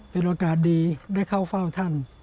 เป็นโอกาสดีได้เข้าเฝ้าท่าน